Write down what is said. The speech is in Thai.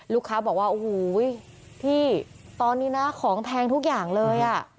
ลูกค้าบอกว่าโอ้โหพี่ตอนนี้นะของแพงทุกอย่างเลยอ่ะ